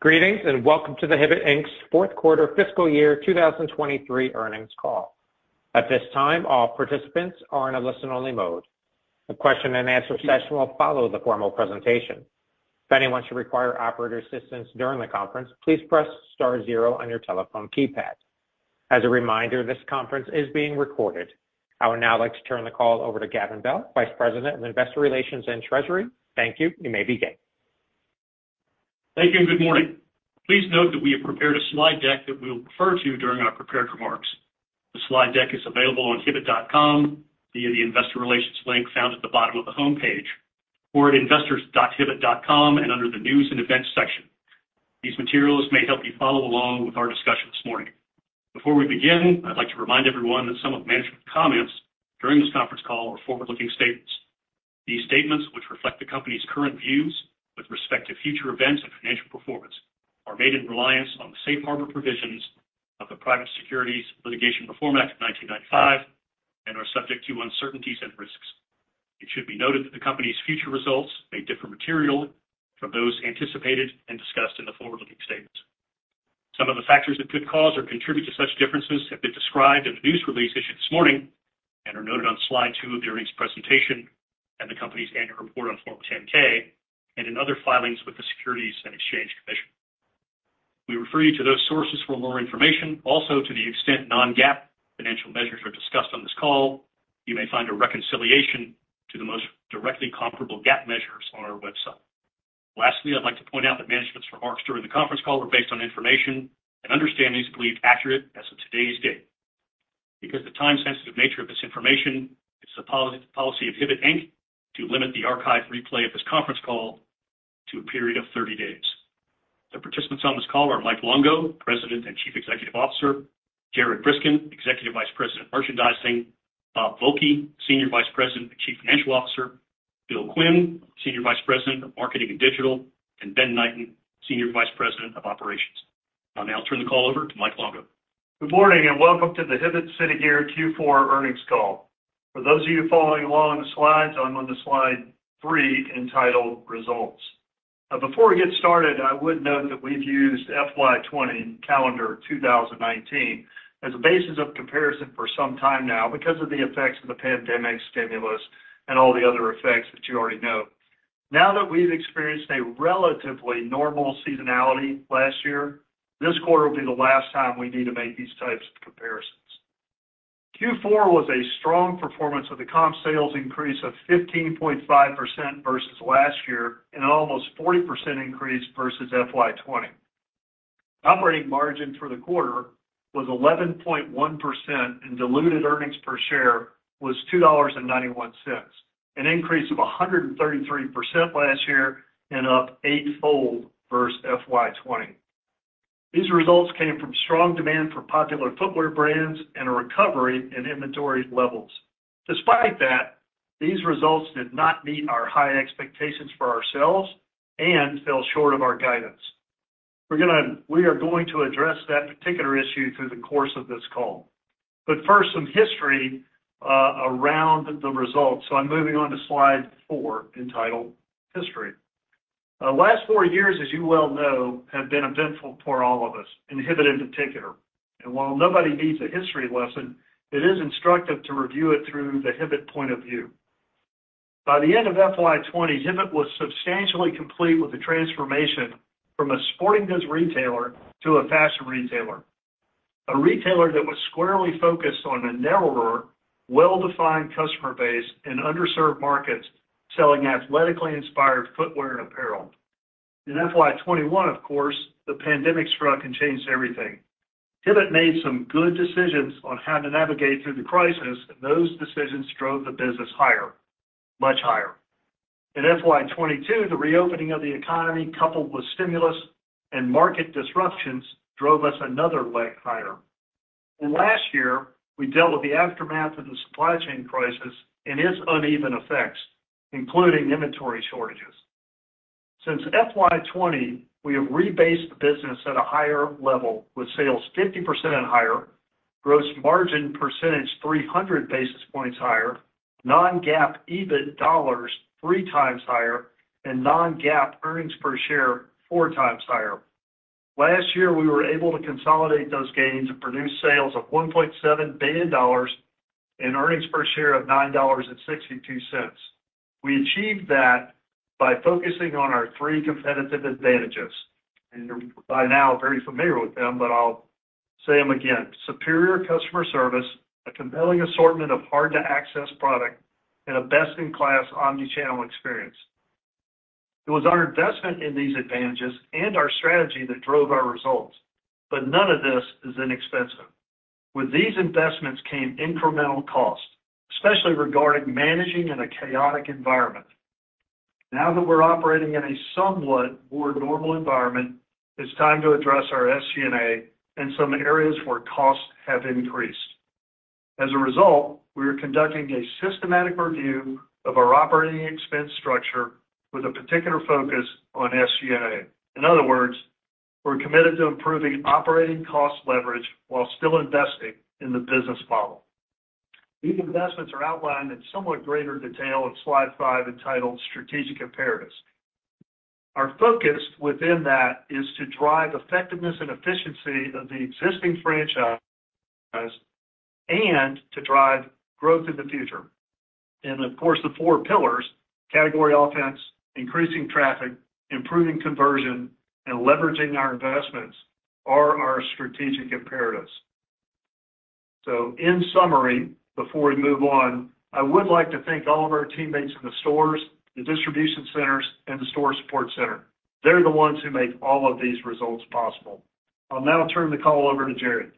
Greetings, and welcome to the Hibbett Inc.'s Fourth Quarter Fiscal Year 2023 Earnings Call. At this time, all participants are in a listen-only mode. A question-and-answer session will follow the formal presentation. If anyone should require operator assistance during the conference, please press star, zero on your telephone keypad. As a reminder, this conference is being recorded. I would now like to turn the call over to Gavin Bell, Vice President of Investor Relations and Treasury. Thank you. You may begin. Thank you. Good morning. Please note that we have prepared a slide deck that we will refer to during our prepared remarks. The slide deck is available on hibbett.com via the investor relations link found at the bottom of the homepage or at investors.hibbett.com, and under the news and events section. These materials may help you follow along with our discussion this morning. Before we begin, I'd like to remind everyone that some of management comments during this conference call are forward-looking statements. These statements, which reflect the company's current views with respect to future events and financial performance, are made in reliance on the safe harbor provisions of the Private Securities Litigation Reform Act of 1995 and are subject to uncertainties and risks. It should be noted that the company's future results may differ materially from those anticipated, and discussed in the forward-looking statements. Some of the factors that could cause or contribute to such differences have been described in the news release issued this morning and are noted on slide two of the earnings presentation, and the company's annual report on Form 10-K and in other filings with the Securities and Exchange Commission. We refer you to those sources for more information. Also, to the extent non-GAAP financial measures are discussed on this call, you may find a reconciliation to the most directly comparable GAAP measures on our website. Lastly, I'd like to point out that management's remarks during the conference call are based on information, and understandings believed to be accurate as of today's date. Because the time-sensitive nature of this information, it's the policy of Hibbett Inc. to limit the archived replay of this conference call to a period of 30 days. The participants on this call are Mike Longo, President and Chief Executive Officer, Jared Briskin, Executive Vice President of Merchandising, Bob Volke, Senior Vice President and Chief Financial Officer, Bill Quinn, Senior Vice President of Marketing and Digital, and Ben Knighten, Senior Vice President of Operations. I'll now turn the call over to Mike Longo. Good morning, welcome to the Hibbett City Gear Q4 Earnings Call. For those of you following along the slides, I'm on the slide three, entitled results. Before we get started, I would note that we've used FY 2020 calendar 2019 as a basis of comparison for some time now, because of the effects of the pandemic stimulus and all the other effects that you already know. We've experienced a relatively normal seasonality last year, this quarter will be the last time we need to make these types of comparisons. Q4 was a strong performance with a comp sales increase of 15.5% versus last year, and almost 40% increase versus FY 2020. Operating margin for the quarter was 11.1% and diluted earnings per share was $2.91, an increase of 133% last year and up 8-fold versus FY 2020. These results came from strong demand for popular footwear brands and a recovery in inventory levels. Despite that, these results did not meet our high expectations for ourselves and fell short of our guidance. We are going to address that particular issue through the course of this call. First, some history around the results. I'm moving on to slide four, entitled history. Our last four years, as you well know, have been eventful for all of us, and Hibbett in particular. While nobody needs a history lesson, it is instructive to review it through the Hibbett point of view. By the end of FY 2020, Hibbett was substantially complete with the transformation from a sporting goods retailer to a fashion retailer. A retailer that was squarely focused on a narrower, well-defined customer base in underserved markets, selling athletically inspired footwear and apparel. In FY 2021, of course the pandemic struck and changed everything. Hibbett made some good decisions on how to navigate through the crisis, and those decisions drove the business much higher. In FY 2022, the reopening of the economy, coupled with stimulus and market disruptions drove us another leg higher. Last year, we dealt with the aftermath of the supply chain crisis and its uneven effects, including inventory shortages. Since FY 2020, we have rebased the business at a higher level with sales 50% and higher, gross margin percentage is 300 basis points higher, non-GAAP EBIT dollars 3x higher, and non-GAAP earnings per share 4x higher. Last year, we were able to consolidate those gains and produce sales of $1.7 billion, and earnings per share of $9.62. We achieved that by focusing on our three competitive advantages. You're by now very familiar with them, but I'll say them again. Superior customer service, a compelling assortment of hard-to-access product and a best-in-class omni-channel experience. It was our investment in these advantages and our strategy that drove our results, but none of this is inexpensive. With these investments came incremental costs, especially regarding managing in a chaotic environment. Now that we're operating in a somewhat more normal environment, it's time to address our SG&A and some areas where costs have increased. As a result, we are conducting a systematic review of our operating expense structure with a particular focus on SG&A. In other words, we're committed to improving operating cost leverage while still investing in the business model. These investments are outlined in somewhat greater detail in slide five entitled strategic imperatives. Our focus within that is to drive effectiveness and efficiency of the existing franchise, and to drive growth in the future. Of course, the four pillars, category offense, increasing traffic, improving conversion, and leveraging our investments are our strategic imperatives. In summary, before we move on, I would like to thank all of our teammates in the stores, the distribution centers and the store support center. They're the ones who make all of these results possible. I'll now turn the call over to Jared.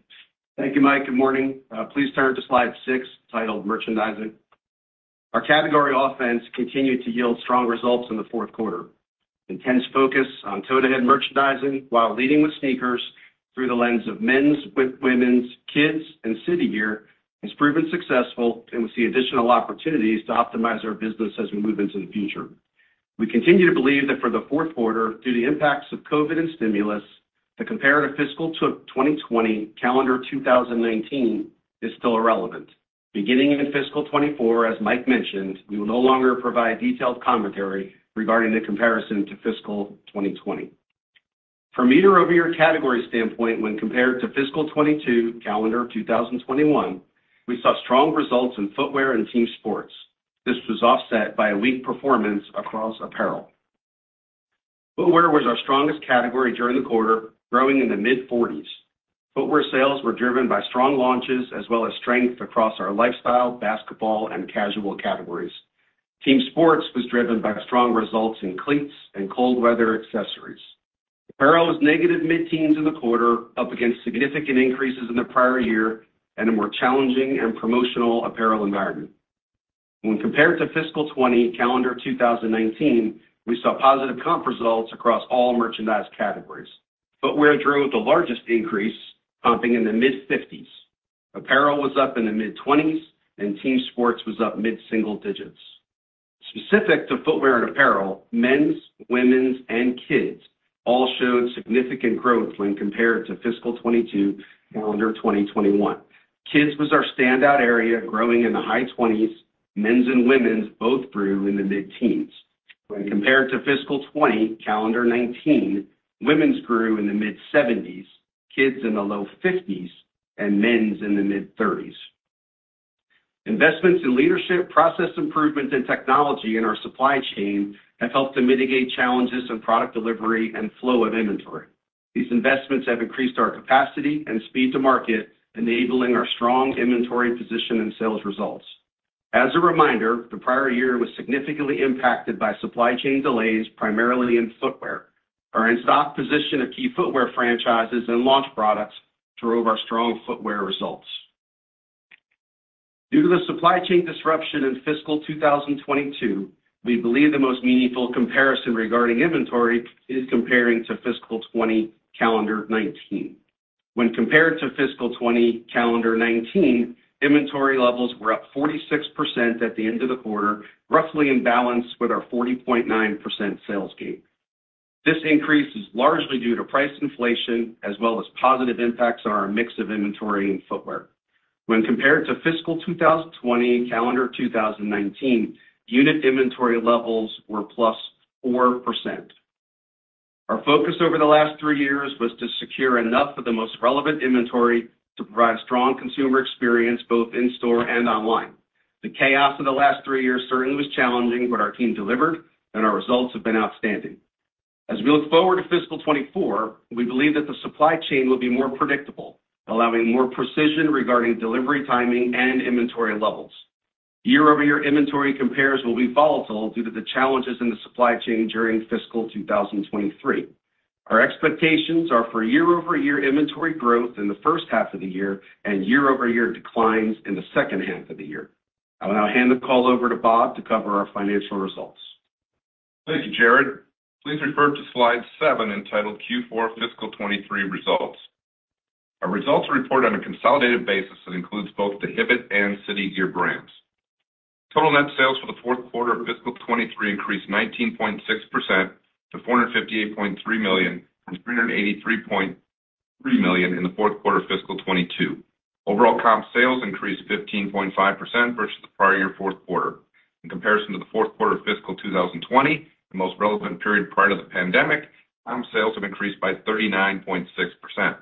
Thank you, Mike. Good morning. Please turn to slide six, titled merchandising. Our category offense continued to yield strong results in the fourth quarter. Intense focus on toe-to-head merchandising while leading with sneakers through the lens of men's, with women's, kids, and City Gear has proven successful and we see additional opportunities to optimize our business as we move into the future. We continue to believe that for the fourth quarter, due to impacts of COVID and stimulus, the comparative fiscal to 2020, calendar 2019 is still irrelevant. Beginning in fiscal 2024, as Mike mentioned, we will no longer provide detailed commentary regarding the comparison to fiscal 2020. From year-over-year category standpoint when compared to fiscal 2022, calendar 2021, we saw strong results in footwear and team sports. This was offset by a weak performance across apparel. Footwear was our strongest category during the quarter, growing in the mid-40s. Footwear sales were driven by strong launches as well as strength across our lifestyle, basketball, and casual categories. Team sports was driven by strong results in cleats and cold weather accessories. Apparel was negative mid-teens in the quarter, up against significant increases in the prior year and a more challenging and promotional apparel environment. When compared to fiscal 2020, calendar 2019, we saw positive comp results across all merchandise categories. Footwear drove the largest increase, comping in the mid-50s. Apparel was up in the mid-20s, and team sports was up mid-single digits. Specific to footwear and apparel, men's, women's, and kids all showed significant growth when compared to fiscal 2022, calendar 2021. Kids was our standout area, growing in the high 20s. Men's and women's both grew in the mid-teens. When compared to fiscal 2020, calendar 2019, women's grew in the mid-70s, kids in the low 50s, and men's in the mid-30s. Investments in leadership, process improvement, and technology in our supply chain have helped to mitigate challenges in product delivery and flow of inventory. These investments have increased our capacity and speed to market, enabling our strong inventory position and sales results. As a reminder, the prior year was significantly impacted by supply chain delays, primarily in footwear. Our in-stock position of key footwear franchises and launch products drove our strong footwear results. Due to the supply chain disruption in fiscal 2022, we believe the most meaningful comparison regarding inventory is comparing to fiscal 2020, calendar 2019. When compared to fiscal 2020, calendar 2019, inventory levels were up 46% at the end of the quarter, roughly in balance with our 40.9% sales gain. This increase is largely due to price inflation as well as positive impacts on our mix of inventory and footwear. When compared to fiscal 2020, calendar 2019, unit inventory levels were +4%. Our focus over the last three years was to secure enough of the most relevant inventory to provide a strong consumer experience both in store and online. The chaos of the last three years certainly was challenging, but our team delivered and our results have been outstanding. As we look forward to fiscal 2024, we believe that the supply chain will be more predictable, allowing more precision regarding delivery, timing, and inventory levels. Year-over-year inventory compares will be volatile due to the challenges in the supply chain during fiscal 2023. Our expectations are for year-over-year inventory growth in the first half of the year, and year-over-year declines in the second half of the year. I will now hand the call over to Bob to cover our financial results. Thank you, Jared. Please refer to slide seven entitled, Q4 fiscal 2023 results. Our results are reported on a consolidated basis that includes both the Hibbett and City Gear brands. Total net sales for the fourth quarter of fiscal 2023 increased 19.6% to $458.3 million from $383.3 million in the fourth quarter of fiscal 2022. Overall, comp sales increased 15.5% versus the prior year fourth quarter. In comparison to the fourth quarter of fiscal 2020, the most relevant period prior to the pandemic, comp sales have increased by 39.6%.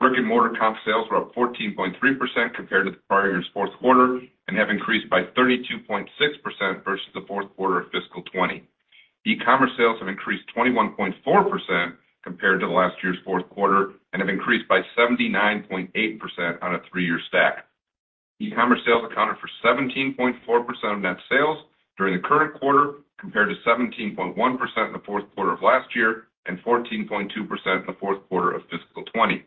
Brick-and-mortar comp sales were up 14.3% compared to the prior year's fourth quarter, and have increased by 32.6% versus the fourth quarter of fiscal 2020. E-commerce sales have increased 21.4% compared to last year's fourth quarter, and have increased by 79.8% on a three-year stack. E-commerce sales accounted for 17.4% of net sales during the current quarter compared to 17.1% in the fourth quarter of last year, and 14.2% in the fourth quarter of fiscal 2020.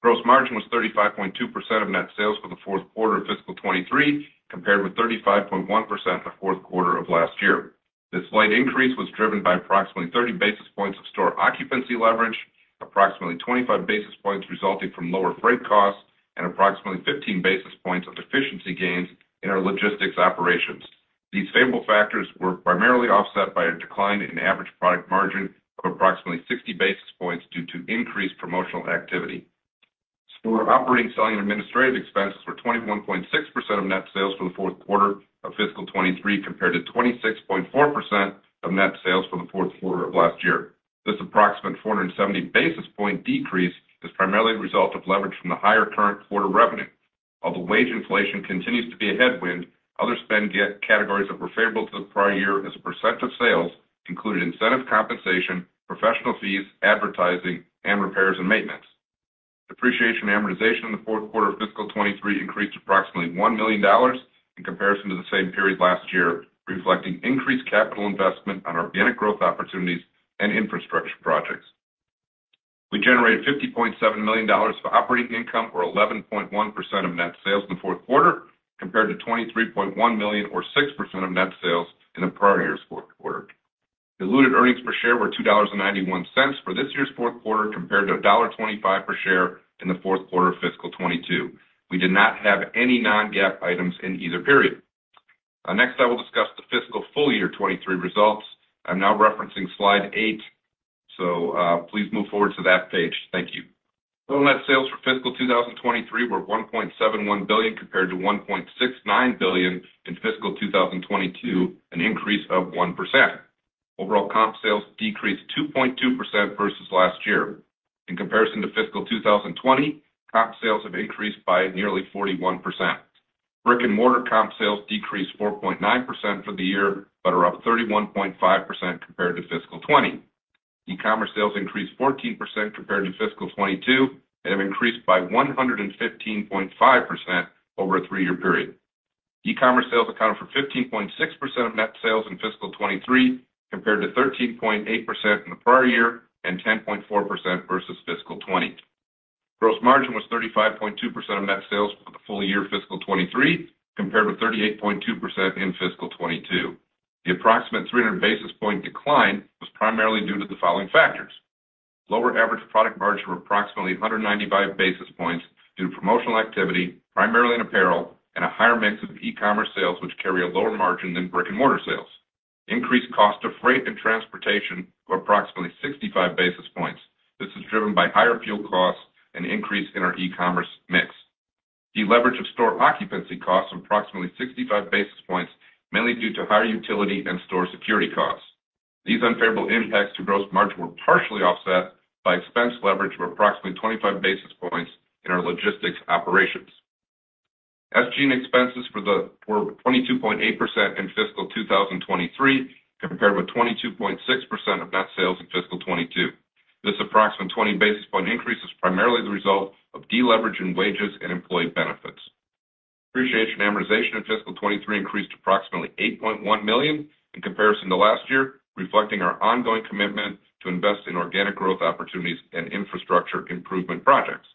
Gross margin was 35.2% of net sales for the fourth quarter of fiscal 2023, compared with 35.1% in the fourth quarter of last year. This slight increase was driven by approximately 30 basis points of store occupancy leverage, approximately 25 basis points resulting from lower freight costs, and approximately 15 basis points of efficiency gains in our logistics operations. These favorable factors were primarily offset by a decline in average product margin of approximately 60 basis points, due to increased promotional activity. Store operating, selling, and administrative expenses were 21.6% of net sales for the fourth quarter of fiscal 2023, compared to 26.4% of net sales for the fourth quarter of last year. This approximate 470 basis point decrease is primarily the result of leverage from the higher current quarter revenue. Although wage inflation continues to be a headwind, other spend categories that were favorable to the prior year as a percent of sales included incentive compensation, professional fees, advertising, and repairs and maintenance. Depreciation amortization in the fourth quarter of fiscal 2023 increased approximately $1 million in comparison to the same period last year, reflecting increased capital investment on organic growth opportunities and infrastructure projects. We generated $50.7 million of operating income or 11.1% of net sales in the fourth quarter, compared to $23.1 million or 6% of net sales in the prior year's fourth quarter. Diluted earnings per share were $2.91 for this year's fourth quarter compared to $1.25 per share in the fourth quarter of fiscal 2022. We did not have any non-GAAP items in either period. Next, I will discuss the fiscal full year 2023 results. I'm now referencing slide eight, so please move forward to that page. Thank you. Total net sales for fiscal 2023 were $1.71 billion compared to $1.69 billion in fiscal 2022, an increase of 1%. Overall comp sales decreased 2.2% versus last year. In comparison to fiscal 2020, comp sales have increased by nearly 41%. Brick-and-mortar comp sales decreased 4.9% for the year, but are up 31.5% compared to fiscal 2020. E-commerce sales increased 14% compared to fiscal 2022, and have increased by 115.5% over a three-year period. E-commerce sales accounted for 15.6% of net sales in fiscal 2023, compared to 13.8% in the prior year and 10.4% versus fiscal 2020. Gross margin was 35.2% of net sales for the full year of fiscal 2023, compared with 38.2% in fiscal 2022. The approximate 300 basis point decline was primarily due to the following factors, lower average product margin of approximately 195 basis points due to promotional activity, primarily in apparel, and a higher mix of e-commerce sales which carry a lower margin than brick-and-mortar sales. Increased cost of freight and transportation were approximately 65 basis points. This is driven by higher fuel costs and increase in our e-commerce mix. Deleveraged of store occupancy costs of approximately 65 basis points, mainly due to higher utility and store security costs. These unfavorable impacts to gross margin were partially offset by expense leverage of approximately 25 basis points in our logistics operations. SG&A expenses were 22.8% in fiscal 2023, compared with 22.6% of net sales in fiscal 2022. This approximate 20 basis point increase is primarily the result of deleveraging wages and employee benefits. Depreciation and amortization in fiscal 2023 increased approximately $8.1 million in comparison to last year, reflecting our ongoing commitment to invest in organic growth opportunities and infrastructure improvement projects.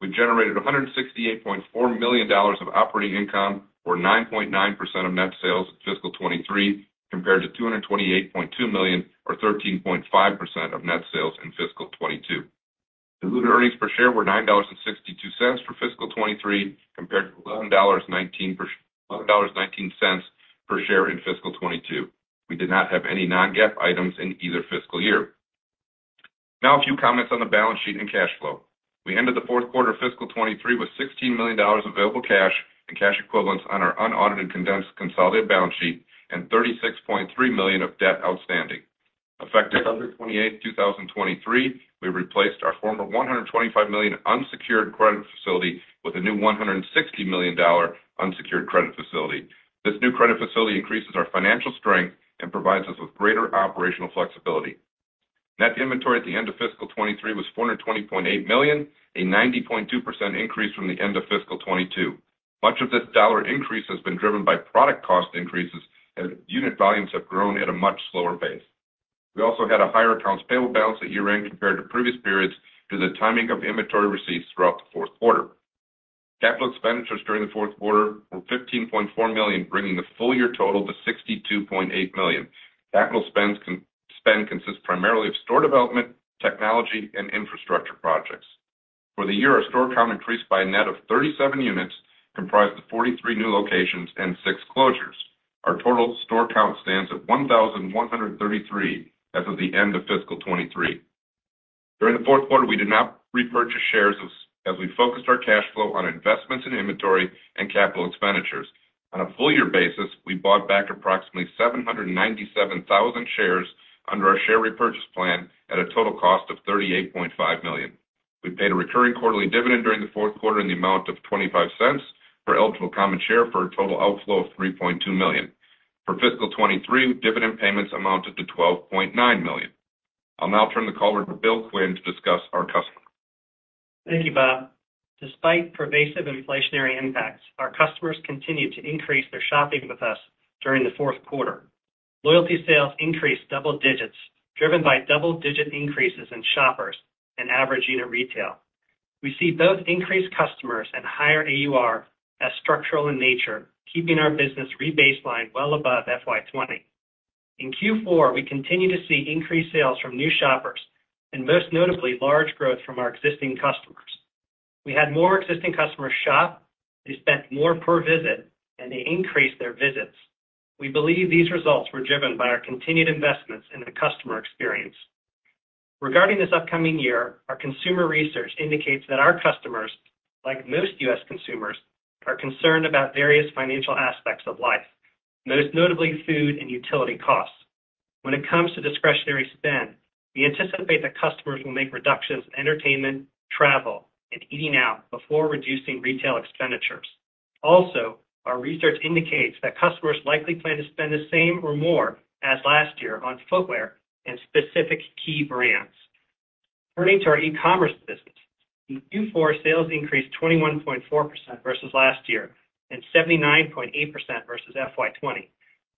We generated $168.4 million of operating income, or 9.9% of net sales in fiscal 2023 compared to $228.2 million or 13.5% of net sales in fiscal 2022. Diluted earnings per share were $9.62 for fiscal 2023 compared to $11.19 per share in fiscal 2022. We did not have any non-GAAP items in either fiscal year. Now a few comments on the balance sheet and cash flow. We ended the fourth quarter of fiscal 2023 with $16 million available cash and cash equivalents on our unaudited, condensed consolidated balance sheet and $36.3 million of debt outstanding. Effective October 28, 2023, we replaced our former $125 million unsecured credit facility with a new $160 million unsecured credit facility. This new credit facility increases our financial strength, and provides us with greater operational flexibility. Net inventory at the end of fiscal 2023 was $420.8 million, a 90.2% increase from the end of fiscal 2022. Much of this dollar increase has been driven by product cost increases, as unit volumes have grown at a much slower pace. We also had a higher accounts payable balance at year-end compared to previous periods, due to the timing of inventory receipts throughout the fourth quarter. Capital expenditures during the fourth quarter were $15.4 million, bringing the full year total to $62.8 million. Capital spend consists primarily of store development, technology, and infrastructure projects. For the year, our store count increased by a net of 37 units, comprised of 43 new locations and six closures. Our total store count stands at 1,133 as of the end of fiscal 2023. During the fourth quarter, we did not repurchase shares, as we focused our cash flow on investments in inventory and capital expenditures. On a full-year basis, we bought back approximately 797,000 shares under our share repurchase plan at a total cost of $38.5 million. We paid a recurring quarterly dividend during the fourth quarter in the amount of $0.25 for eligible common share, for a total outflow of $3.2 million. For fiscal 2023, dividend payments amounted to $12.9 million. I'll now turn the call over to Bill Quinn to discuss our customers. Thank you, Bob. Despite pervasive inflationary impacts, our customers continued to increase their shopping with us during the fourth quarter. Loyalty sales increased double digits, driven by double-digit increases in shoppers and average unit retail. We see those increased customers and higher AUR as structural in nature, keeping our business rebaselined well above FY 2020. In Q4, we continued to see increased sales from new shoppers and most notably, large growth from our existing customers. We had more existing customers shop, they spent more per visit, and they increased their visits. We believe these results were driven by our continued investments in the customer experience. Regarding this upcoming year, our consumer research indicates that our customers, like most U.S. consumers are concerned about various financial aspects of life, most notably food and utility costs. When it comes to discretionary spend, we anticipate that customers will make reductions in entertainment, travel, and eating out before reducing retail expenditures. Also, our research indicates that customers likely plan to spend the same or more as last year on footwear, and specific key brands. Turning to our e-commerce business. In Q4, sales increased 21.4% versus last year and 79.8% versus FY 2020.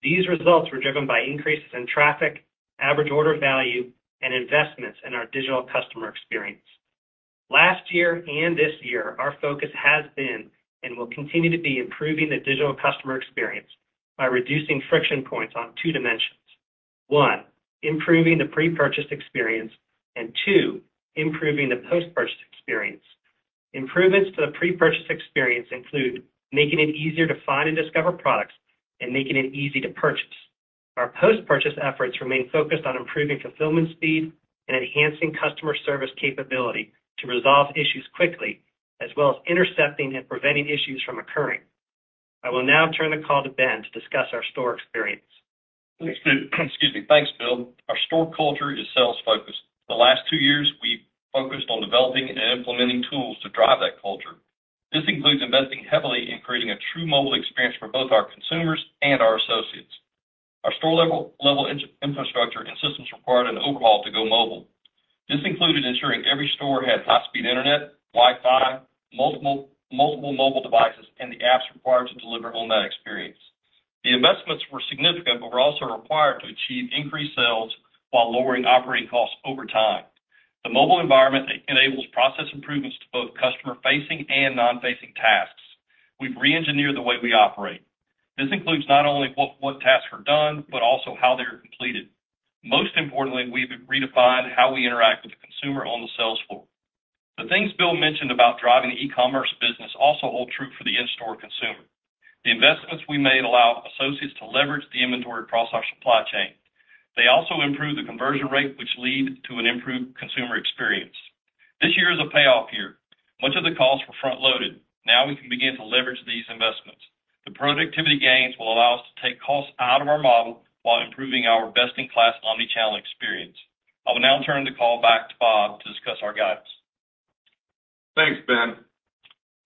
These results were driven by increases in traffic, average order value, and investments in our digital customer experience. Last year and this year, our focus has been and will continue to be improving the digital customer experience by reducing friction points on two dimensions. One, improving the pre-purchase experience, and two, improving the post-purchase experience. Improvements to the pre-purchase experience include making it easier to find and discover products, and making it easy to purchase. Our post-purchase efforts remain focused on improving fulfillment speed and enhancing customer service capability to resolve issues quickly, as well as intercepting and preventing issues from occurring. I will now turn the call to Ben to discuss our store experience. Excuse me. Thanks, Bill. Our store culture is sales-focused. The last two years, we've focused on developing and implementing tools to drive that culture. This includes investing heavily in creating a true mobile experience for both our consumers and our associates. Our store-level infrastructure and systems required an overhaul to go mobile. This included ensuring every store had high-speed iinternet, Wi-Fi, multiple mobile devices, and the apps required to deliver on that experience. The investments were significant, but were also required to achieve increased sales while lowering operating costs over time. The mobile environment enables process improvements to both customer-facing and non-facing tasks. We've re-engineered the way we operate. This includes not only what tasks are done, but also how they are completed. Most importantly, we've redefined how we interact with the consumer on the sales floor. The things Bill mentioned about driving the e-commerce business also hold true for the in-store consumer. The investments we made allow associates to leverage the inventory across our supply chain. They also improve the conversion rate, which lead to an improved consumer experience. This year is a payoff year. Much of the costs were front-loaded. Now we can begin to leverage these investments. The productivity gains will allow us to take costs out of our model, while improving our best-in-class omnichannel experience. I will now turn the call back to Bob to discuss our guidance. Thanks, Ben.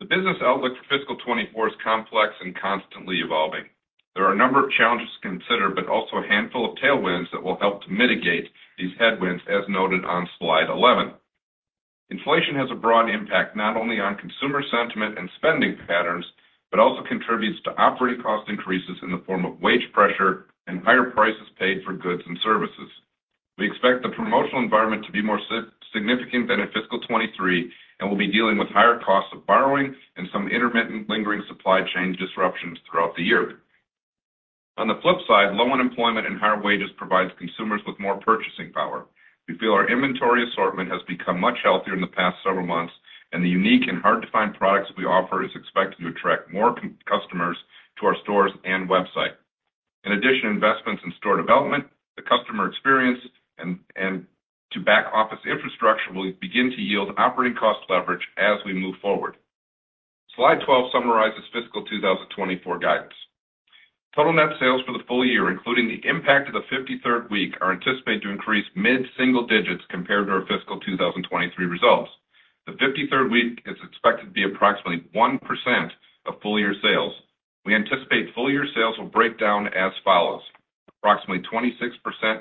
The business outlook for fiscal 2024 is complex and constantly evolving. There are a number of challenges to consider, but also a handful of tailwinds that will help to mitigate these headwinds, as noted on slide 11. Inflation has a broad impact not only on consumer sentiment and spending patterns, but also contributes to operating cost increases in the form of wage pressure and higher prices paid for goods and services. We expect the promotional environment to be more significant than in fiscal 2023, and we'll be dealing with higher costs of borrowing and some intermittent lingering supply chain disruptions throughout the year. On the flip side, low unemployment and higher wages provides consumers with more purchasing power. We feel our inventory assortment has become much healthier in the past several months, and the unique and hard-to-find products we offer is expected to attract more customers to our stores and website. In addition, investments in store development, the customer experience, and to back-office infrastructure will begin to yield operating cost leverage as we move forward. Slide 12 summarizes fiscal 2024 guidance. Total net sales for the full year, including the impact of the 53rd week are anticipated to increase mid-single digits compared to our fiscal 2023 results. The 53rd week is expected to be approximately 1% of full-year sales. We anticipate full-year sales will break down as follows, approximately 26%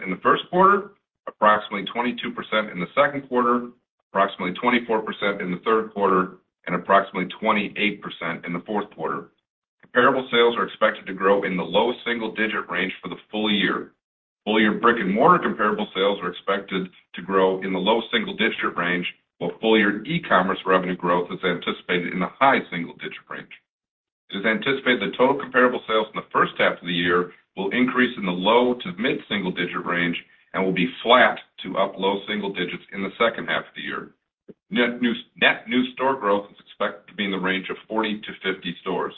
in the first quarter, approximately 22% in the second quarter, approximately 24% in the third quarter, and approximately 28% in the fourth quarter. Comparable sales are expected to grow in the low single-digit range for the full year. Full-year brick-and-mortar comparable sales are expected to grow in the low single-digit range, while full-year e-commerce revenue growth is anticipated in the high single-digit range. It is anticipated that total comparable sales in the first half of the year will increase in the low to mid-single digit range, and will be flat to up low single digits in the second half of the year. Net new store growth is expected to be in the range of 40-50 stores.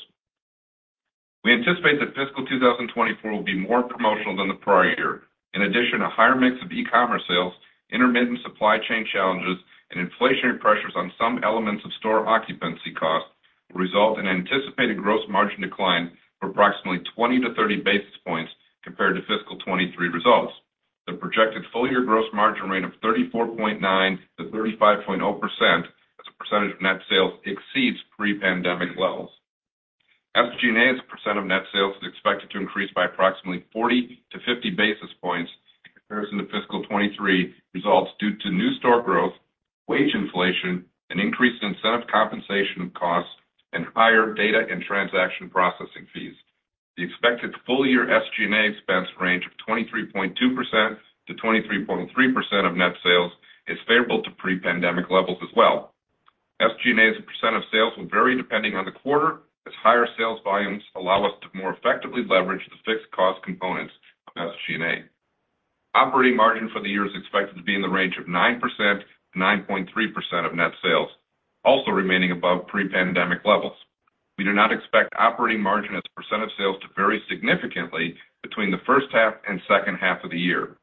We anticipate that fiscal 2024 will be more promotional than the prior year. In addition, a higher mix of e-commerce sales, intermittent supply chain challenges, and inflationary pressures on some elements of store occupancy costs will result in anticipated gross margin decline of approximately 20-30 basis points compared to fiscal 2023 results. The projected full-year gross margin range of 34.9%-35.0% as a percentage of net sales exceeds pre-pandemic levels. SG&A as a percent of net sales is expected to increase by approximately 40-50 basis points in comparison to fiscal 2023 results, due to new store growth, wage inflation, an increase in incentive compensation costs, and higher data and transaction processing fees. The expected full-year SG&A expense range of 23.2%-23.3% of net sales is favorable to pre-pandemic levels as well. SG&A as a percent of sales will vary depending on the quarter, as higher sales volumes allow us to more effectively leverage the fixed cost components of SG&A. Operating margin for the year is expected to be in the range of 9%-9.3% of net sales, also remaining above pre-pandemic levels. We do not expect operating margin as a percent of sales to vary significantly between the first half and second half of the year.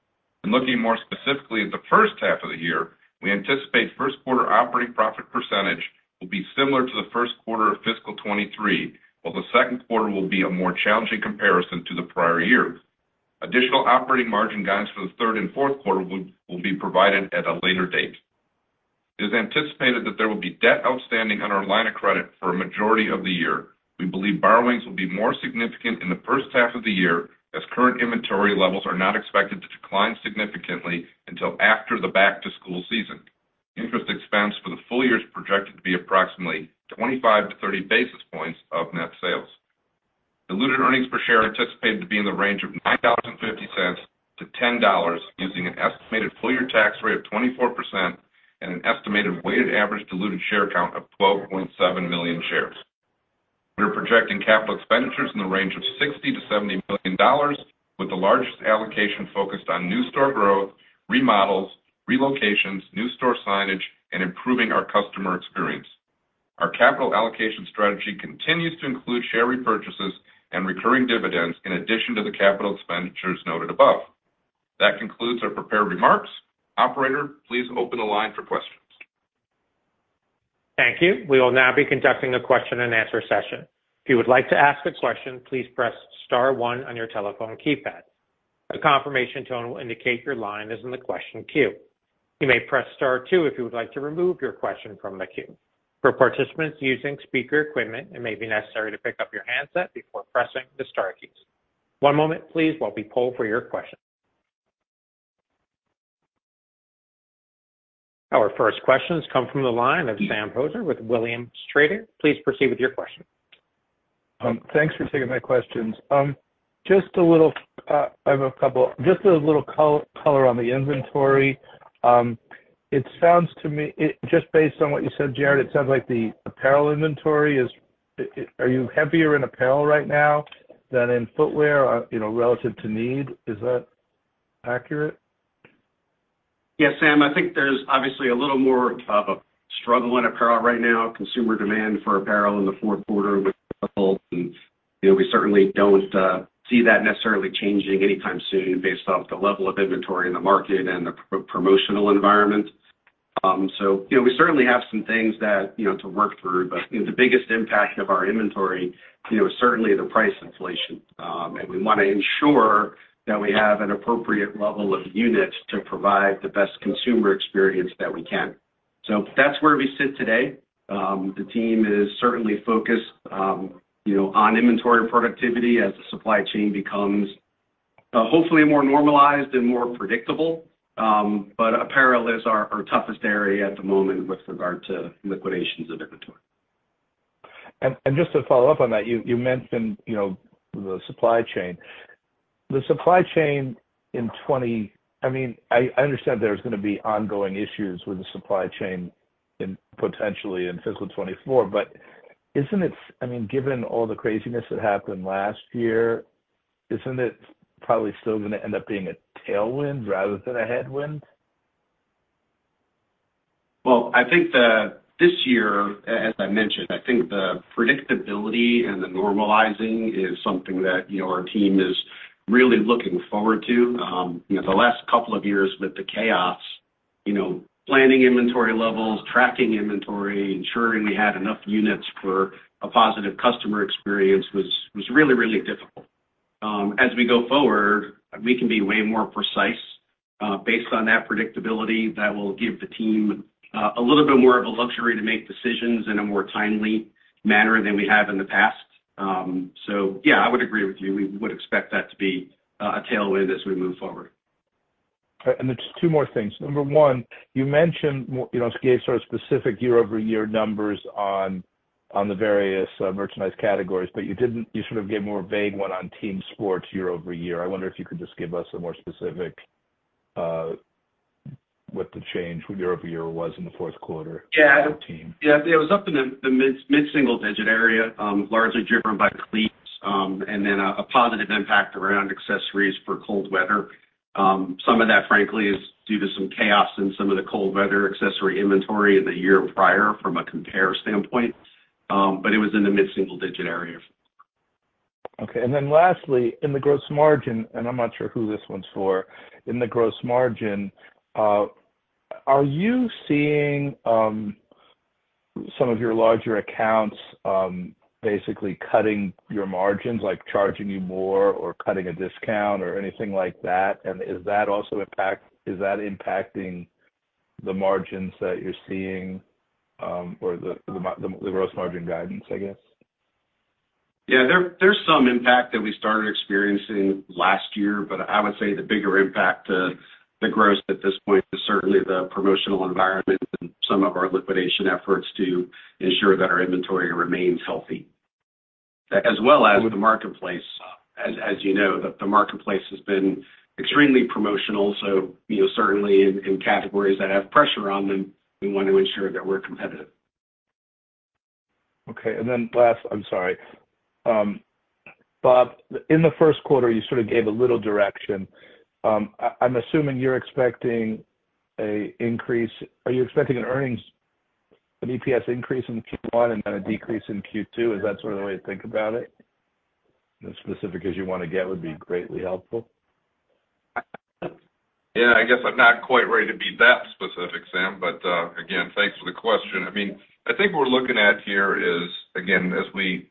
Looking more specifically at the first half of the year, we anticipate first quarter operating profit percent will be similar to the first quarter of fiscal 2023, while the second quarter will be a more challenging comparison to the prior years. Additional operating margin guidance for the third and fourth quarter will be provided at a later date. It is anticipated that there will be debt outstanding on our line of credit for a majority of the year. We believe borrowings will be more significant in the first half of the year, as current inventory levels are not expected to decline significantly until after the back-to-school season. Interest expense for the full year is projected to be approximately 25-30 basis points of net sales. Diluted earnings per share anticipated to be in the range of $9.50-$10, using an estimated full-year tax rate of 24% and an estimated weighted average diluted share count of 12.7 million shares. We are projecting capital expenditures in the range of $60 million-$70 million, with the largest allocation focused on new store growth, remodels, relocations, new store signage, and improving our customer experience. Our capital allocation strategy continues to include share repurchases, and recurring dividends in addition to the capital expenditures noted above. That concludes our prepared remarks. Operator, please open the line for questions. Thank you. We will now be conducting a question-and-answer session. If you would like to ask a question, please press star, one on your telephone keypad. A confirmation tone will indicate your line is in the question queue. You may press star, two if you would like to remove your question from the queue. For participants using speaker equipment, it may be necessary to pick up your handset before pressing the star keys. One moment please, while we poll for your questions. Our first question has come from the line of Sam Poser with Williams Trading. Please proceed with your question. Thanks for taking my questions, I have a couple. Just a little color on the inventory. It sounds to me, just based on what you said, Jared, are you heavier in apparel right now than in footwear, you know, relative to need? Is that accurate? Yeah, Sam. I think there's obviously a little more of a struggle in apparel right now. Consumer demand for apparel in the fourth quarter was difficult. We certainly don't see that necessarily changing anytime soon based off the level of inventory in the market, and the promotional environment. We certainly have some things, you know, to work through, but the biggest impact of our inventory, you know, is certainly the price inflation. We want to ensure that we have an appropriate level of units to provide the best consumer experience that we can. That's where we sit today. The team is certainly focused, you know, on inventory productivity as the supply chain becomes hopefully more normalized and more predictable. Apparel is our toughest area at the moment with regard to liquidations of inventory. Just to follow up on that, you mentioned, you know, the supply chain. I mean, I understand there's going to be ongoing issues with the supply chain potentially in fiscal 2024, but I mean, given all the craziness that happened last year, isn't it probably still going to end up being a tailwind rather than a headwind? Well, I think this year, as I mentioned, I think the predictability and the normalizing is something that, you know, our team is really looking forward to. You know, the last couple of years with the chaos, you know, planning inventory levels, tracking inventory, ensuring we had enough units for a positive customer experience was really, really difficult. As we go forward, we can be way more precise, based on that predictability that will give the team a little bit more of a luxury to make decisions in a more timely manner than we have in the past. Yeah, I would agree with you. We would expect that to be a tailwind as we move forward. Just two more things. Number one, you, you know, gave sort of specific year-over-year numbers on the various merchandise categories, but you sort of gave a more vague one on team sports year-over-year. I wonder if you could just give us, more specific, what the change year-over-year was in the fourth quarter for the team. Yeah. It was up in the mid-single digit area, largely driven by cleats, and then a positive impact around accessories for cold weather. Some of that frankly is due to some chaos in some of the cold weather accessory inventory in the year prior from a compare standpoint, but it was in the mid-single digit area. Okay. Then lastly, and I'm not sure who this one's for. In the gross margin, are you seeing some of your larger accounts, basically cutting your margins, like charging you more or cutting a discount or anything like that? Is that also impacting the margins that you're seeing or the gross margin guidance, I guess? Yeah. There's some impact that we started experiencing last year, but I would say the bigger impact to the gross at this point is certainly the promotional environment, and some of our liquidation efforts to ensure that our inventory remains healthy, as well as the marketplace. As you know, the marketplace has been extremely promotional, so, you know, certainly in categories that have pressure on them, we want to ensure that we're competitive. Okay. Then last, I'm sorry. Bob, in the first quarter, you sort of gave a little direction. I'm assuming you're expecting a increase? Are you expecting an EPS increase in Q1 and then a decrease in Q2? Is that sort of the way to think about it? As specific as you want to get would be greatly helpful. Yeah. I guess I'm not quite ready to be that specific, Sam, but again, thanks for the question. I mean, I think what we're looking at here is, again, as we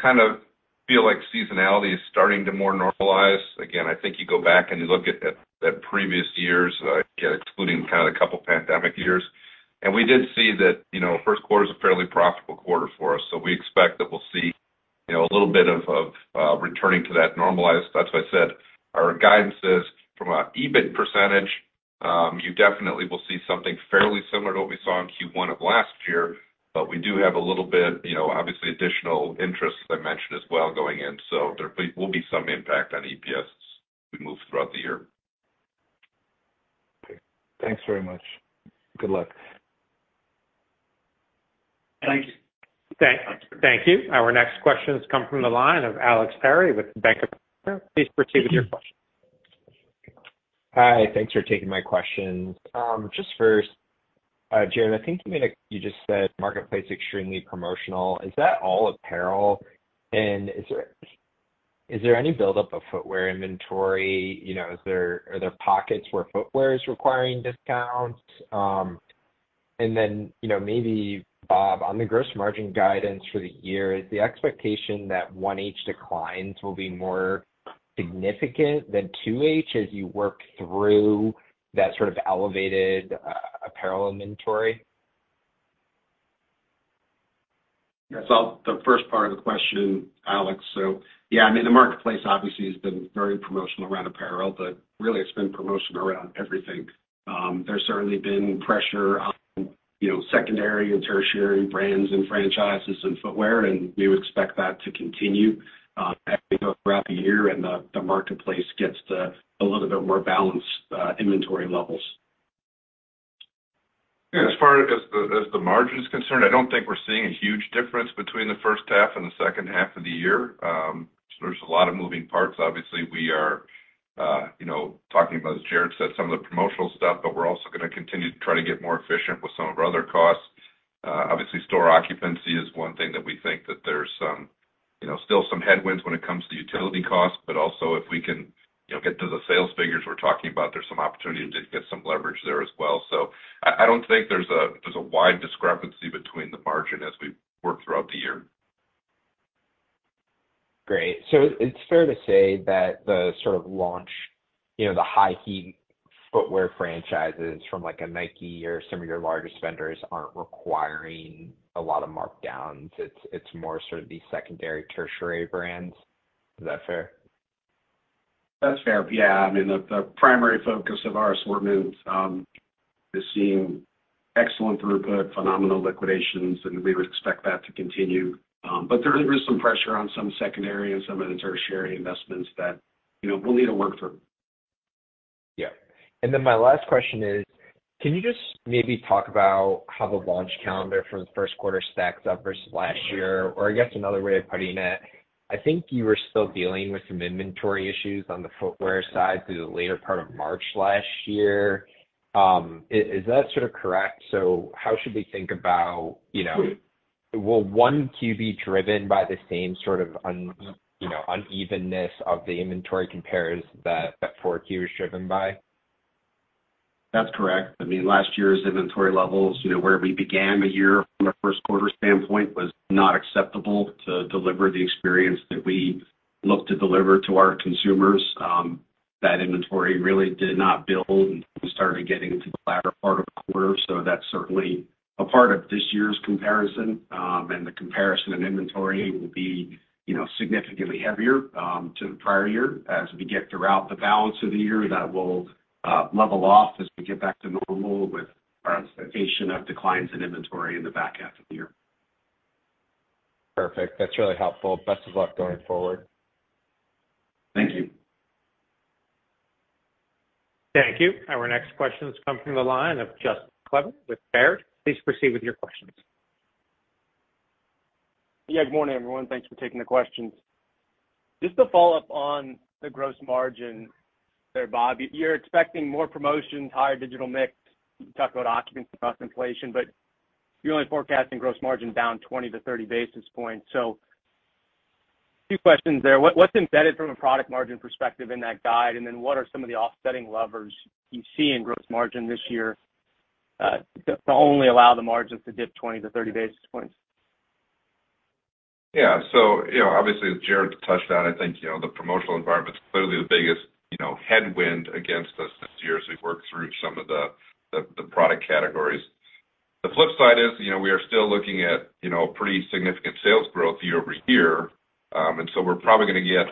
kind of feel like seasonality is starting to more normalize, again I think you go back and you look at previous years, again excluding kind of the couple pandemic years, and we did see that, you know, first quarter is a fairly profitable quarter for us. We expect that we'll see, you know, a little bit of returning to that normalized. That's why I said our guidance is, from an EBIT percentage, you definitely will see something fairly similar to what we saw in Q1 of last year. We do have a little bit, you know, obviously additional interest I mentioned as well going in. There will be some impact on EPS as we move throughout the year. Okay. Thanks very much. Good luck. Thank you. Thank you. Our next question has come from the line of Alex Perry with Bank of America. Please proceed with your question. Hi. Thanks for taking my questions. Just first, Jared, I think you just said marketplace is extremely promotional. Is that all apparel? Is there any buildup of footwear inventory? You know, are there pockets where footwear is requiring discounts? Then, you know, maybe Bob, on the gross margin guidance for the year, is the expectation that 1H declines will be more significant than 2H as you work through that sort of elevated apparel inventory? The first part of the question, Alex. I mean, the marketplace obviously has been very promotional around apparel, but really it's been promotional around everything. There's certainly been pressure on, you know, secondary and tertiary brands and franchises and footwear, and we would expect that to continue as we go throughout the year and the marketplace gets to a little bit more balanced inventory levels. As far as the margin is concerned, I don't think we're seeing a huge difference between the first half and the second half of the year. There's a lot of moving parts. Obviously, we are, you know, talking about, as Jared said, some of the promotional stuff, but we're also going to continue to try to get more efficient with some of our other costs. Obviously, store occupancy is one thing that we think that there's some, you know, still some headwinds when it comes to utility costs, but also if we can, you know, get to the sales figures we're talking about, there's some opportunity to get some leverage there as well. I don't think there's a wide discrepancy between the margin as we work throughout the year. Great. It's fair to say that the sort of launch, you know, the high heat footwear franchises from, like a Nike or some of your largest vendors aren't requiring a lot of markdowns. It's more sort of these secondary, tertiary brands. Is that fair? That's fair. Yeah. I mean, the primary focus of our assortment is seeing excellent throughput, phenomenal liquidations, and we would expect that to continue. There is some pressure on some secondary and some of the tertiary investments that, you know, we'll need to work through. Yeah. My last question is, can you just maybe talk about how the launch calendar for the first quarter stacks up versus last year? I guess another way of putting it, I think you were still dealing with some inventory issues on the footwear side through the later part of March last year. Is that sort of correct? How should we think about, you know, will 1Q be driven by the same sort of you know, unevenness of the inventory compares that 4Q is driven by? That's correct. I mean, last year's inventory levels, you know, where we began a year from a first quarter standpoint, was not acceptable to deliver the experience that we look to deliver to our consumers. That inventory really did not build until we started getting into the latter part of the quarter. That's certainly a part of this year's comparison. The comparison in inventory will be, you know, significantly heavier, to the prior year. As we get throughout the balance of the year, that will level off as we get back to normal with our expectation of declines in inventory in the back half of the year. Perfect, that's really helpful. Best of luck going forward. Thank you. Thank you. Our next question has come from the line of Justin Kleber with Baird. Please proceed with your questions. Yeah. Good morning, everyone. Thanks for taking the questions. Just to follow up on the gross margin there, Bob, you're expecting more promotions, higher digital mix. You talked about occupancy cost inflation, but you're only forecasting gross margin down 20-30 basis points. Two questions there. What's embedded from a product margin perspective in that guide? What are some of the offsetting levers you see in gross margin this year to only allow the margins to dip 20-30 basis points? Yeah. You know, obviously, as Jared touched on, I think, you know, the promotional environment is clearly the biggest, you know, headwind against us this year as we work through some of the product categories. The flip side is, you know, we are still looking at, you know, pretty significant sales growth year-over-year.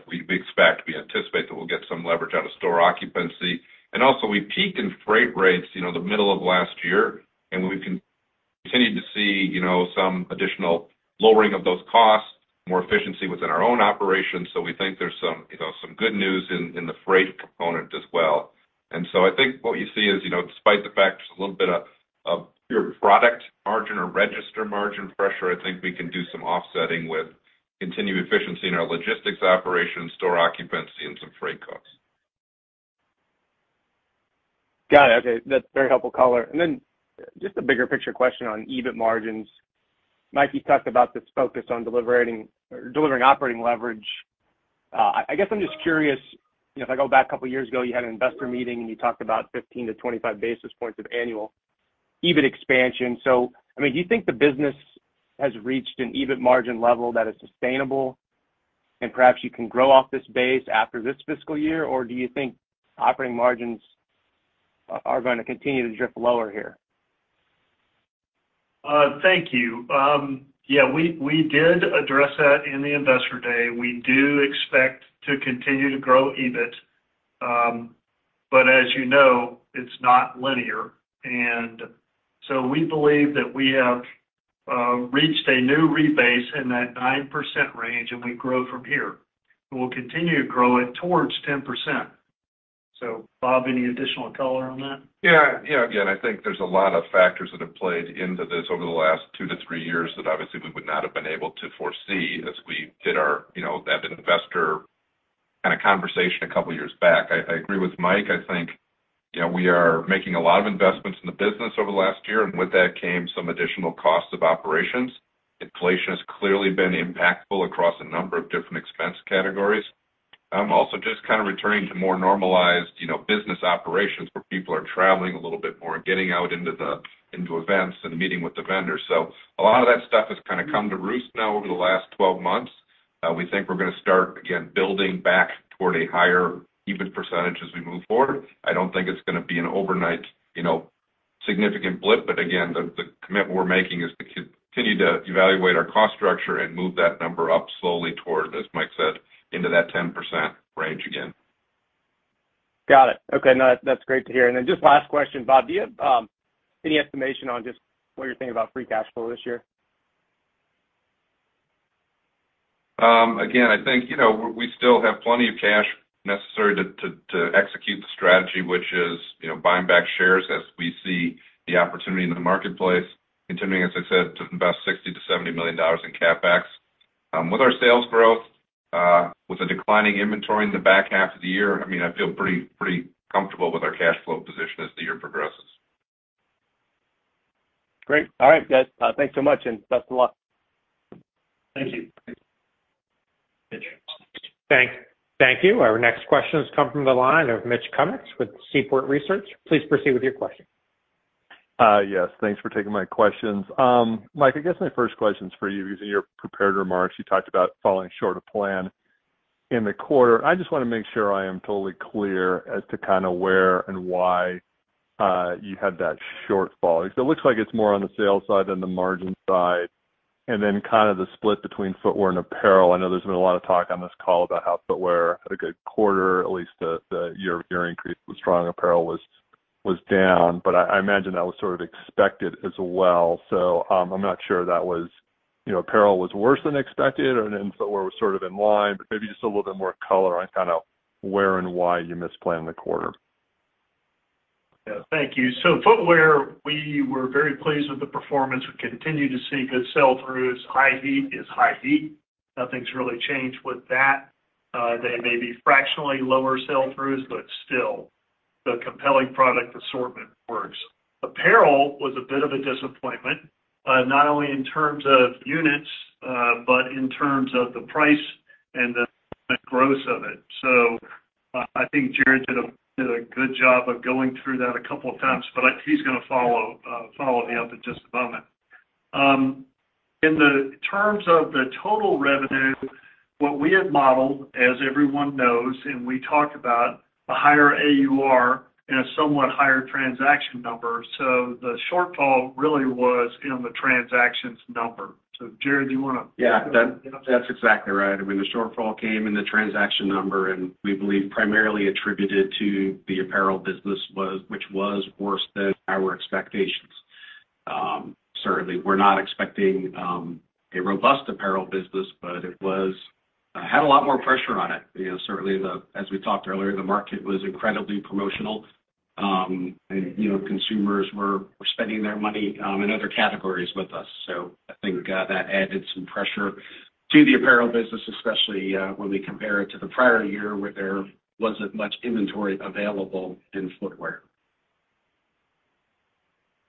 We anticipate that we'll get some leverage out of store occupancy. Also, we peaked in freight rates, you know, the middle of last year, and we've continued to see, you know, some additional lowering of those costs, more efficiency within our own operations. We think there's some, you know, good news in the freight component as well. I think what you see is, you know, despite the fact there's a little bit of pure product margin or register margin pressure, I think we can do some offsetting with continued efficiency in our logistics operations, store occupancy, and some freight costs. Got it. Okay, that's very helpful color. Then just a bigger picture question on EBIT margins. Mike, you talked about this focus on delivering operating leverage. I guess I'm just curious, you know, if I go back a couple years ago, you had an investor meeting, and you talked about 15-25 basis points of annual EBIT expansion. I mean, do you think the business has reached an EBIT margin level that is sustainable and perhaps you can grow off this base after this fiscal year? Or do you think operating margins are going to continue to drift lower here? Thank you. Yeah, we did address that in the Investor Day. We do expect to continue to grow EBIT. As you know, it's not linear. We believe that we have reached a new rebase in that 9% range, and we grow from here. We will continue to grow it towards 10%. Bob, any additional color on that? Yeah. Again, I think there's a lot of factors that have played into this over the last two to three years that obviously we would not have been able to foresee as we did our, you know, that investor kind of conversation a couple years back. I agree with Mike. I think, you know, we are making a lot of investments in the business over the last year, and with that came some additional costs of operations. Inflation has clearly been impactful across a number of different expense categories. Also, just kind of returning to more normalized, you know, business operations where people are traveling a little bit more and getting out into events and meeting with the vendors, so a lot of that stuff has kind of come to roost now over the last 12 months. We think we're going to start, again, building back toward a higher EBIT percent as we move forward. I don't think it's going to be an overnight, you know, significant blip, but again, the commitment we're making is to continue to evaluate our cost structure and move that number up slowly toward, as Mike said, into that 10% range again. Got it, okay. No, that's great to hear. Just last question, Bob. Do you have any estimation on just what you're thinking about free cash flow this year? Again, I think, you know, we still have plenty of cash necessary to execute the strategy, which is, you know, buying back shares as we see the opportunity in the marketplace, continuing as I said, to invest $60 million-$70 million in CapEx. With our sales growth, with a declining inventory in the back half of the year, I mean, I feel pretty comfortable with our cash flow position as the year progresses. Great. All right, guys. Thanks so much, and best of luck. Thank you. Thanks. Thank you. Our next question has come from the line of Mitch Kummetz with Seaport Research. Please proceed with your question. Yes, thanks for taking my questions. Mike, I guess my first question is for you, because in your prepared remarks, you talked about falling short of plan in the quarter. I just want to make sure I am totally clear as to kind of where and why you had that, because it looks like it's more on the sales side than the margin side and then kind of the split between footwear and apparel. I know there's been a lot of talk on this call about how footwear had a good quarter, at least the year increase was strong. Apparel was down, but I imagine that was sort of expected as well. I'm not sure that, you know, apparel was worse than expected and then footwear was sort of in line, but maybe just a little bit more color on kind of where and why you misplanned the quarter. Yeah. Thank you. Footwear, we were very pleased with the performance. We continue to see good sell-throughs. High heat is high heat, nothing's really changed with that. They may be fractionally lower sell-throughs, but still, the compelling product assortment works. Apparel was a bit of a disappointment, not only in terms of units, but in terms of the price and the gross of it. I think Jared did a good job of going through that a couple of times, but he's going to follow me up in just a moment. In terms of the total revenue, what we had modeled, as everyone knows and we talked about, a higher AUR and a somewhat higher transaction number. The shortfall really was in the transactions number. Jared, do you want to? Yeah, that's exactly right. I me an, the shortfall came in the transaction number, and we believe primarily attributed to the apparel business which was worse than our expectations. Certainly we're not expecting a robust apparel business, but it had a lot more pressure on it. You know, certainly as we talked earlier, the market was incredibly promotional. Consumers were spending their money in other categories with us. I think that added some pressure to the apparel business, especially when we compare it to the prior year, where there wasn't much inventory available in footwear.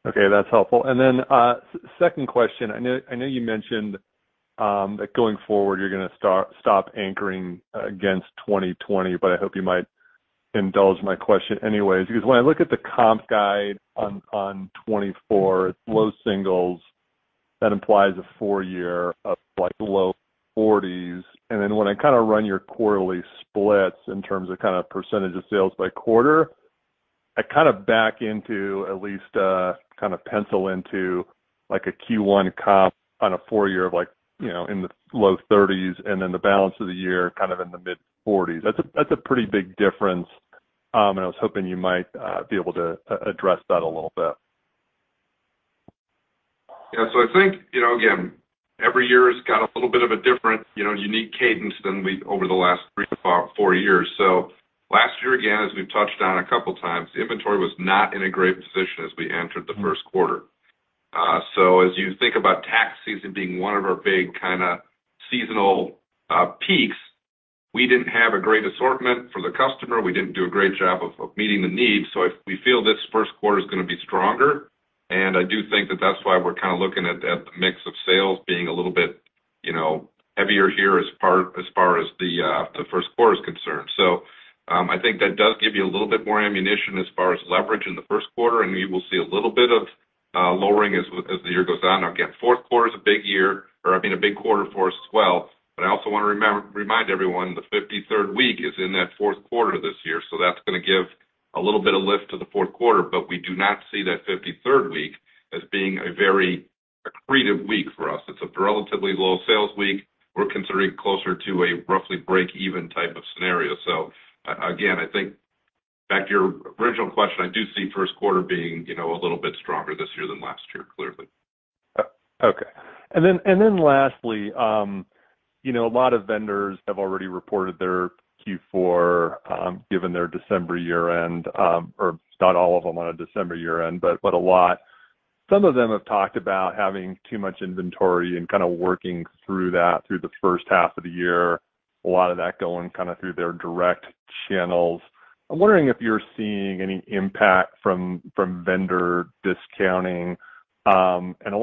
Okay, that's helpful. Then second question. I know you mentioned that going forward, you're going to stop anchoring against 2020, but I hope you might indulge my question anyways. Because when I look at the comps guide on 2024, it's low singles. That implies a four-year of like low 40s. When I kind of run your quarterly splits in terms of kind of percent of sales by quarter, I kind of back into at least, kind of pencil into like a Q1 comp on a four-year of like, you know, in the low 30s and then the balance of the year kind of in the mid-40s. That's a pretty big difference, I was hoping you might be able to address that a little bit. Yeah. I think, you know, again, every year has got a little bit of a different, you know, unique cadence than over the last three to four years. Last year, again, as we've touched on a couple of times, inventory was not in a great position as we entered the first quarter. As you think about tax season being one of our big kind of seasonal peaks, we didn't have a great assortment for the customer. We didn't do a great job of meeting the needs. We feel this first quarter is going to be stronger, and I do think that that's why we're kind of looking at the mix of sales being a little bit, you know, heavier here as far as the first quarter is concerned. I think that does give you a little bit more ammunition as far as leverage in the first quarter, and you will see a little bit of lowering as the year goes on. Again, fourth quarter is a big quarter for us as well. I also want to remind everyone, the 53rd week is in that fourth quarter this year, so that's going to give a little bit of lift to the fourth quarter. We do not see that 53rd week as being a very accretive week for us. It's a relatively low sales week. We're considering closer to a roughly break-even type of scenario. Again, I think back to your original question, I do see first quarter being, you know, a little bit stronger this year than last year clearly. Okay. Then lastly, you know, a lot of vendors have already reported their Q4, given their December year-end or not all of them on a December year-end, but a lot. Some of them have talked about having too much inventory and kind of working through that through the first half of the year, a lot of that going kinda through their direct channels. I'm wondering if you're seeing any impact from vendor discounting. A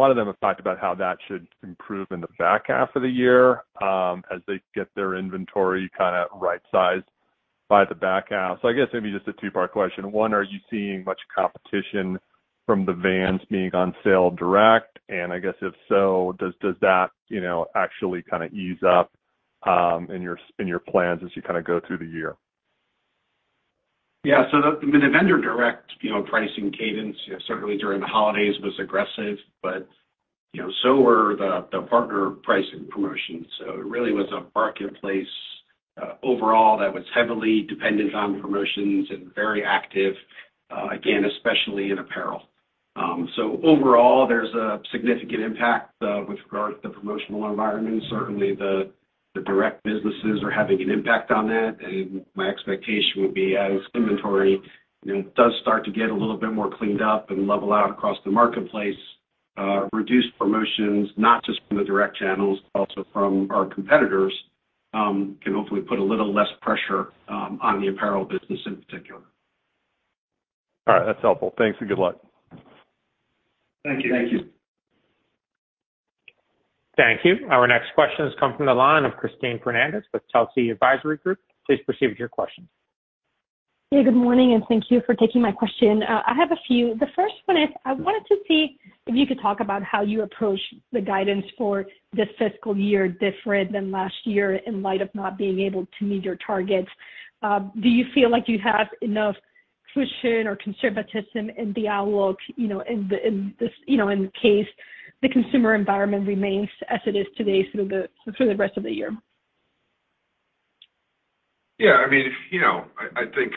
lot of them have talked about how that should improve in the back half of the year, as they get their inventory kind of right-sized by the back half. I guess maybe just a two-part question. One, are you seeing much competition from the Vans being on sale direct? I guess if so, does that, you know, actually kind of ease up in your plans as you kind of go through the year? I mean, the vendor direct, you know, pricing cadence, you know, certainly during the holidays was aggressive, but you know, were the partner pricing promotions. It really was a marketplace overall that was heavily dependent on promotions and very active again, especially in apparel. Overall, there's a significant impact with regard to the promotional environment. Certainly, the direct businesses are having an impact on that. My expectation would be, as inventory, you know, does start to get a little bit more cleaned up and level out across the marketplace, reduced promotions, not just from the direct channels, but also from our competitors, can hopefully put a little less pressure on the apparel business in particular. All right, that's helpful. Thanks and good luck. Thank you. Thank you. Our next question has come from the line of Cristina Fernandez with Telsey Advisory Group. Please proceed with your question. Yeah. Good morning, and thank you for taking my question. I have a few. The first one is I wanted to see if you could talk about how you approach the guidance for this fiscal year different than last year in light of not being able to meet your targets. Do you feel like you have enough cushion or conservatism in the outlook, you know, in case the consumer environment remains as it is today through the rest of the year? I mean, you know, I think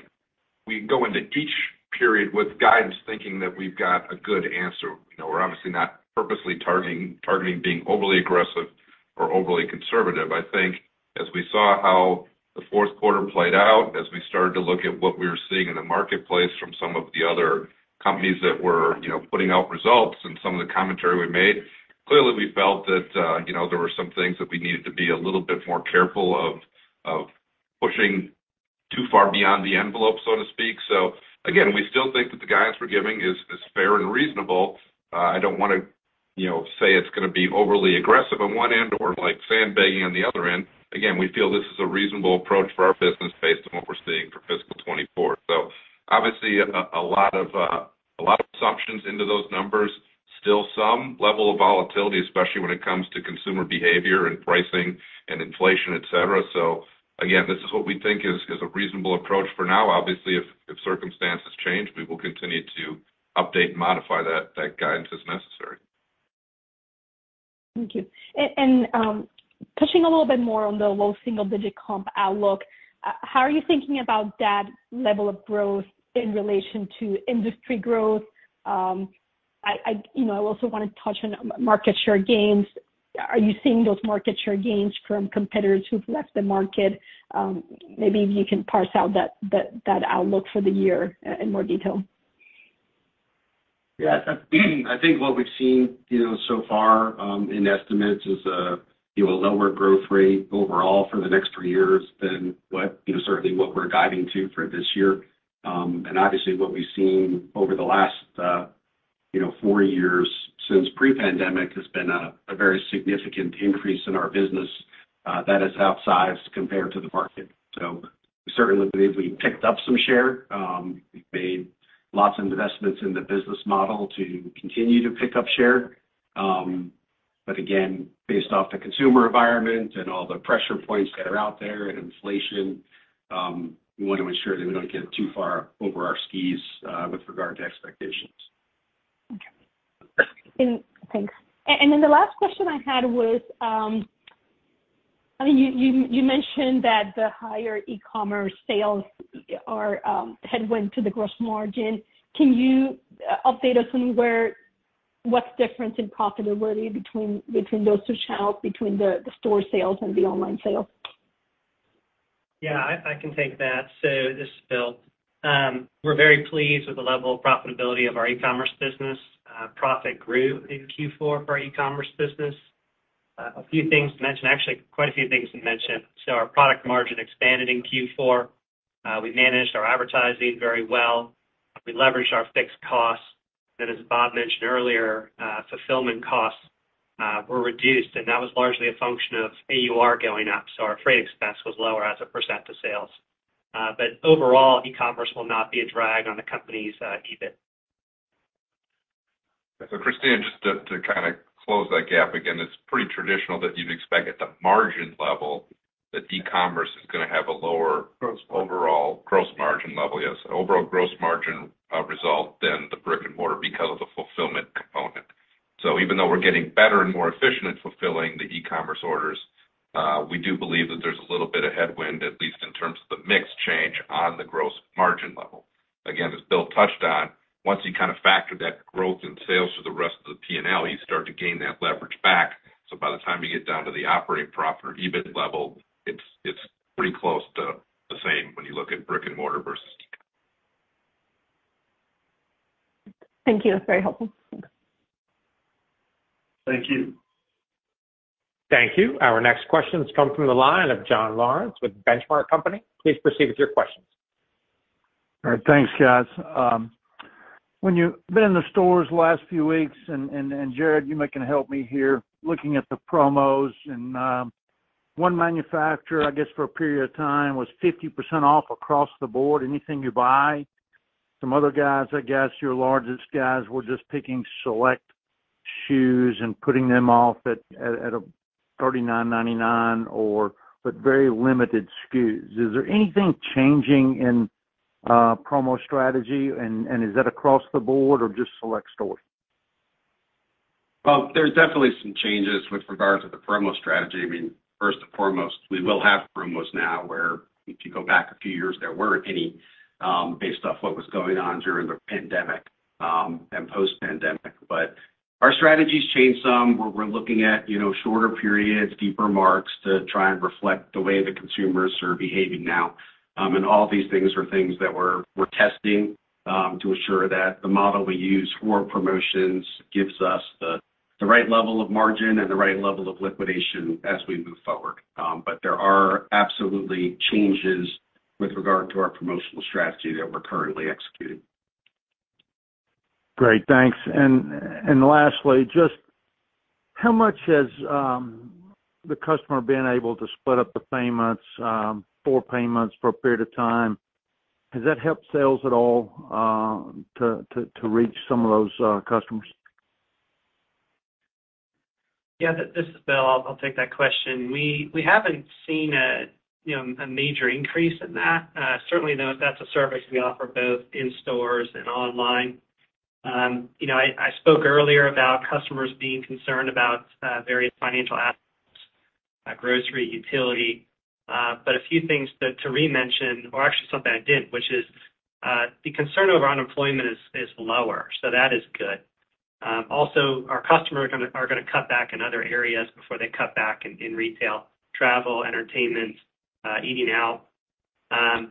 we go into each period with guidance thinking that we've got a good answer. You know, we're obviously not purposely targeting being overly aggressive or overly conservative. I think as we saw how the fourth quarter played out, as we started to look at what we were seeing in the marketplace from some of the other companies that were, you know, putting out results and some of the commentary we made, clearly, we felt that, you know, there were some things that we needed to be a little bit more careful of pushing too far beyond the envelope, so to speak. Again, we still think that the guidance we're giving is fair and reasonable. I don't want to, you know, say it's going to be overly aggressive on one end or like sandbagging on the other end. Again, we feel this is a reasonable approach for our business based on what we're seeing for fiscal 2024. Obviously, a lot of assumptions into those numbers. Still some level of volatility, especially when it comes to consumer behavior, and pricing and inflation, etc. Again, this is what we think is a reasonable approach for now. Obviously, if circumstances change, we will continue to update and modify that guidance as necessary. Thank you. Touching a little bit more on the low single-digit comp outlook, how are you thinking about that level of growth in relation to industry growth? You know, I also want to touch on market share gains. Are you seeing those market share gains from competitors who've left the market? Maybe if you can parse out that outlook for the year in more detail. Yeah. I think what we've seen, you know, so far in estimates is, you know, a lower growth rate overall for the next three years than, you know, certainly what we're guiding to for this year. Obviously, what we've seen over the last, you know, four years since pre-pandemic has been a very significant increase in our business, that is outsized compared to the market. We certainly believe we picked up some share. We've made lots of investments in the business model to continue to pick up share. Again, based off the consumer environment and all the pressure points that are out there and inflation, we want to make sure that we don't get too far over our skis with regard to expectations. Okay, thanks. Then the last question I had was, I mean, you mentioned that the higher e-commerce sales are a headwind to the gross margin. Can you update us on what's difference in profitability between those two channels, between the store sales and the online sales? Yeah, I can take that. This is Bill. We're very pleased with the level of profitability of our e-commerce business. Profit grew in Q4 for our e-commerce business. A few things to mention. Actually, quite a few things to mention. Our product margin expanded in Q4. We managed our advertising very well. We leveraged our fixed costs. As Bob mentioned earlier, fulfillment costs were reduced, and that was largely a function of AUR going up, so our freight expense was lower as a percent of sales. Overall, e-commerce will not be a drag on the company's EBIT. Cristina, just to kind of close that gap, again, it's pretty traditional that you'd expect at the margin level that e-commerce is going to have a lower overall gross margin level. Yes, overall, gross margin result than the brick-and-mortar because of the fulfillment component. Even though we're getting better and more efficient at fulfilling the e-commerce orders, we do believe that there's a little bit of headwind, at least in terms of the mix change on the gross margin level. Again, as Bill touched on, once you kind of factor that growth in sales to the rest of the P&L, you start to gain that leverage back. By the time you get down to the operating profit or EBIT level, it's pretty close to the same when you look at brick-and-mortar versus e-com. Thank you. That's very helpful. Thank you. Thank you. Our next question is coming from the line of John Lawrence with Benchmark Company. Please proceed with your questions. All right. Thanks, guys. When you've been in the stores the last few weeks, and Jared, you can help me here, looking at the promos and one manufacturer, I guess, for a period of time was 50% off across the board, anything you buy. Some other guys, I guess, your largest guys were just picking select shoes and putting them off at a $39.99 or very limited SKUs. Is there anything changing in promo strategy? Is that across the board or just select stores? Well, there's definitely some changes with regards to the promo strategy. I mean, first and foremost, we will have promos now where if you go back a few years, there weren't any, based off what was going on during the pandemic and post-pandemic. Our strategy's changed some, where we're looking at, you know, shorter periods, deeper marks to try and reflect the way the consumers are behaving now. All these things are things that we're testing to assure that the model we use for promotions gives us the right level of margin, and the right level of liquidation as we move forward. There are absolutely changes with regard to our promotional strategy that we're currently executing. Great. Thanks. Lastly, just how much has the customer been able to split up the four payments for a period of time? Has that helped sales at all to reach some of those customers? Yeah. This is Bill. I'll take that question. We haven't seen, you know, a major increase in that. Certainly though, that's a service we offer both in stores and online. You know, I spoke earlier about customers being concerned about various financial aspects, grocery, utility. A few things that Tareen mentioned, or actually something I didn't, which is, the concern over unemployment is lower, so that is good. Also, our customers are going to cut back in other areas before they cut back in retail, travel, entertainment, eating out. Our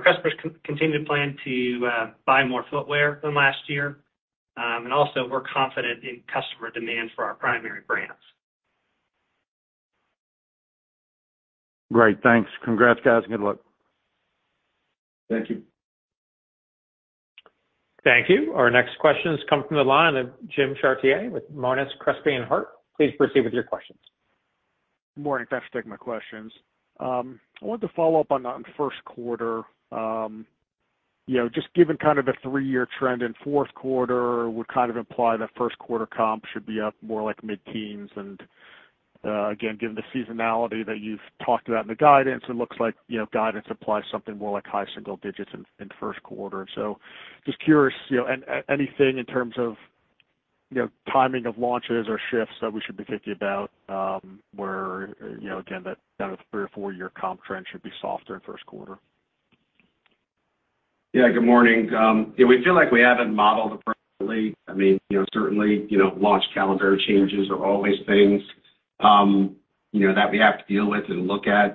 customers continue to plan to buy more footwear than last year. Also, we're confident in customer demand for our primary brands. Great. Thanks. Congrats, guys and good luck. Thank you. Thank you. Our next question is coming from the line of Jim Chartier with Monness, Crespi and Hardt. Please proceed with your questions. Good morning. Thanks for taking my questions. I wanted to follow up on the first quarter. You know, just given kind of the three-year trend in fourth quarter, would kind of imply that first quarter comp should be up more like mid-teens. Again, given the seasonality that you've talked about in the guidance, it looks like, you know, guidance applies something more like high single digits in first quarter. Just curious, you know, anything in terms of, you know, timing of launches or shifts that we should be thinking about, where, you know, again, that kind of three or four-year comp trend should be softer in first quarter. Good morning. Yeah, we feel like we haven't modeled appropriately. I mean, you know, certainly, you know, launch calendar changes are always things, you know, that we have to deal with and look at.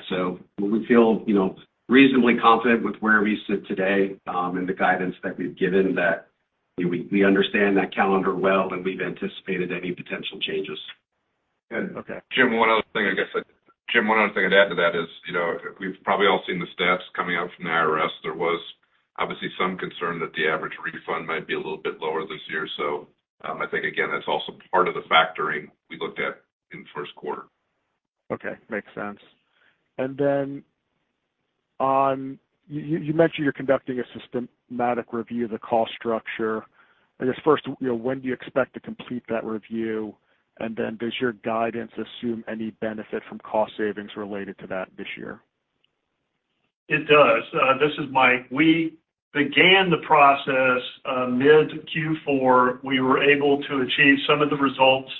We feel, you know, reasonably confident with where we sit today, and the guidance that we've given that, you know, we understand that calendar well, and we've anticipated any potential changes. Okay. Jim, one other thing I'd add to that is, you know, we've probably all seen the stats coming out from the IRS. There was obviously some concern that the average refund might be a little bit lower this year. I think, again, that's also part of the factoring we looked at in first quarter. Okay, makes sense. Then you mentioned you're conducting a systematic review of the cost structure. I guess first, you know, when do you expect to complete that review? Then does your guidance assume any benefit from cost savings related to that this year? It does. This is Mike. We began the process mid Q4. We were able to achieve some of the results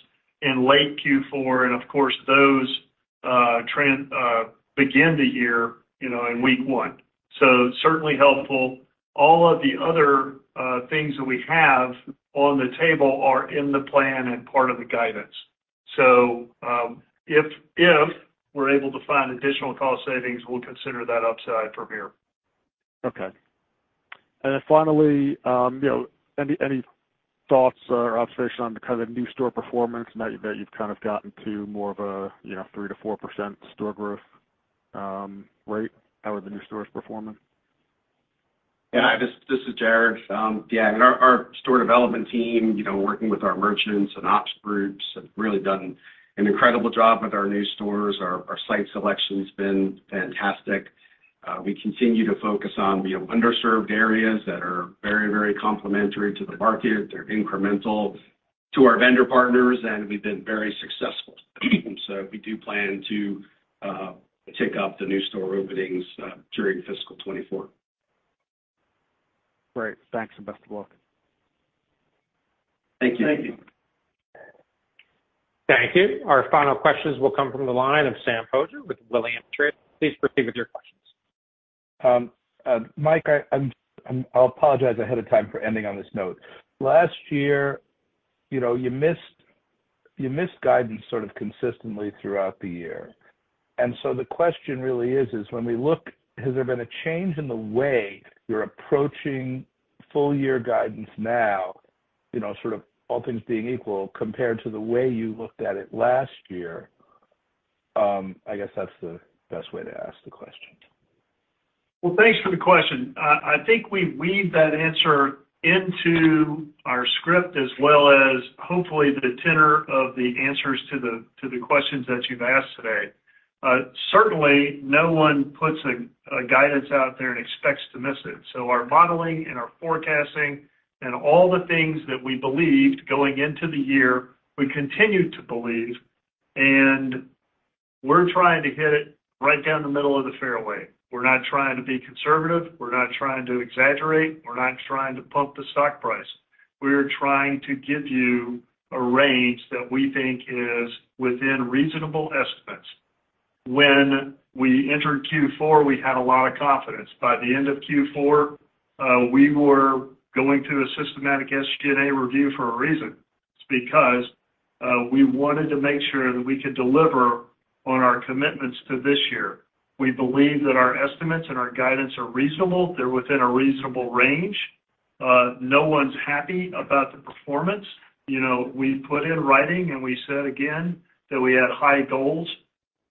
in late Q4, and of course those trend begin the year, you know, in week one. Certainly helpful. All of the other things that we have on the table are in the plan and part of the guidance. If we're able to find additional cost savings, we'll consider that upside from here. Okay. Finally, you know, any thoughts or observation on the kind of new store performance now that you've kind of gotten to more of a, you know, 3% to 4% store growth rate? How are the new stores performing? Yeah. This is Jared. I mean, our store development team, you know, working with our merchants and ops groups have really done an incredible job with our new stores. Our site selection's been fantastic. We continue to focus on, you know, underserved areas that are very, very complimentary to the market. They're incremental to our vendor partners. We've been very successful. We do plan to tick up the new store openings during fiscal 2024. Great. Thanks and best of luck. Thank you. Thank you. Thank you. Our final questions will come from the line of Sam Poser with Williams Trading. Please proceed with your questions. Mike, I'll apologize ahead of time for ending on this note. Last year, you know, you missed guidance sort of consistently throughout the year. The question really is, when we look, has there been a change in the way you're approaching full year guidance now, you know, sort of all things being equal compared to the way you looked at it last year? I guess that's the best way to ask the question. Thanks for the question. I think we weaved that answer into our script, as well as hopefully the tenor of the answers to the questions that you've asked today. Certainly, no one puts a guidance out there and expects to miss it. Our modeling and our forecasting, and all the things that we believed going into the year, we continue to believe and we're trying to hit it right down the middle of the fairway. We're not trying to be conservative. We're not trying to exaggerate. We're not trying to pump the stock price. We're trying to give you a range that we think is within reasonable estimates. When we entered Q4, we had a lot of confidence. By the end of Q4, we were going through a systematic SG&A review for a reason. It's because we wanted to make sure that we could deliver on our commitments to this year. We believe that our estimates and our guidance are reasonable. They're within a reasonable range. No one's happy about the performance. You know, we put in writing, and we said again that we had high goals.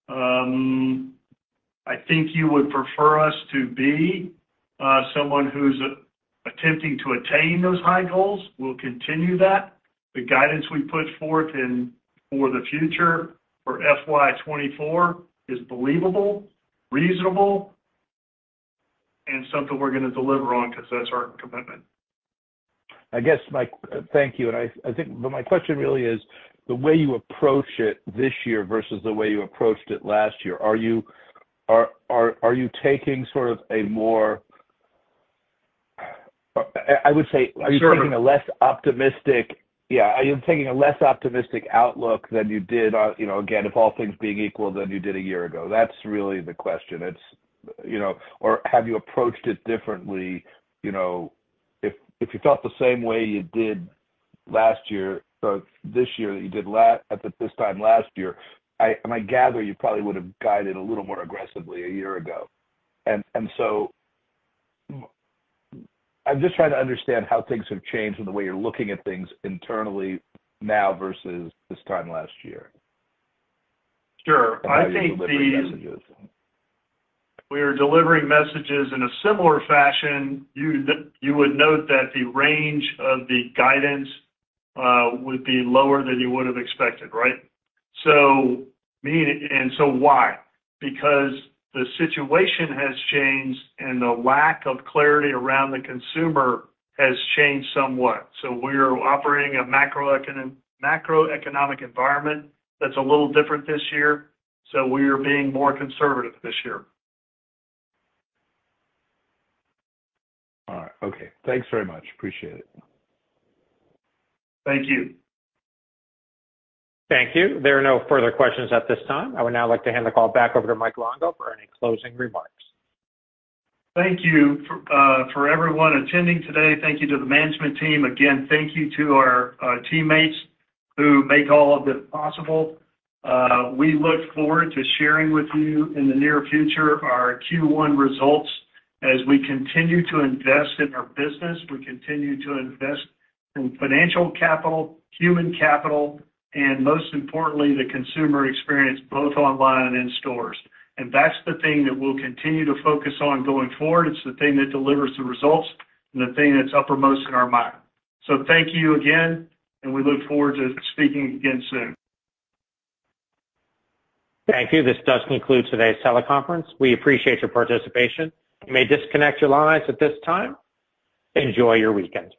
I think you would prefer us to be someone who's attempting to attain those high goals. We'll continue that. The guidance we put forth for the future for FY 2024 is believable, reasonable, and something we're going to deliver on because that's our commitment. I guess, Mike, thank you. My question really is the way you approach it this year versus the way you approached it last year. Sure. I would say, are you taking a less optimistic outlook than you did, you know, again, if all things being equal than you did a year ago? That's really the question. You know, or have you approached it differently, you know, if you felt the same way you did last year, that you did at this time last year, I gather you probably would have guided a little more aggressively a year ago. I'm just trying to understand how things have changed, and the way you're looking at things internally now versus this time last year. Sure. How you deliver the messages. I think we are delivering messages in a similar fashion. You would note that the range of the guidance would be lower than you would have expected, right? Why? Because the situation has changed, and the lack of clarity around the consumer has changed somewhat. We're operating a macroeconomic environment that's a little different this year, so we are being more conservative this year. All right, okay. Thanks very much. Appreciate it. Thank you. Thank you. There are no further questions at this time. I would now like to hand the call back over to Michael Longo for any closing remarks. Thank you for everyone attending today. Thank you to the management team. Again, thank you to our teammates who make all of this possible. We look forward to sharing with you in the near future our Q1 results, as we continue to invest in our business. We continue to invest in financial capital, human capital, and most importantly, the consumer experience both online and in stores. That's the thing that we'll continue to focus on going forward. It's the thing that delivers the results and the thing that's uppermost in our mind. Thank you again, and we look forward to speaking again soon. Thank you. This does conclude today's teleconference. We appreciate your participation. You may disconnect your lines at this time. Enjoy your weekend.